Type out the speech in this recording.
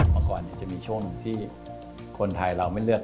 เมื่อก่อนจะมีช่วงหนึ่งที่คนไทยเราไม่เลือก